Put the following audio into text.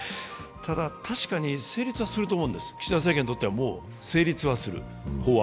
ただ、確かに成立はするんだと思うんです、岸田政権にとっては法案は成立はする。